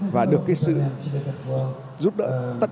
và được sự giúp đỡ tận tình